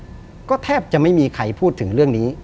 ๒๖ปีผ่านมาก็แทบจะไม่มีใครพูดถึงเรื่องนี้